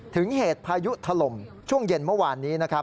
ถึงเหตุพายุถล่มช่วงเย็นเมื่อวานนี้